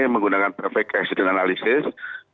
menggunakan perfect accident analysis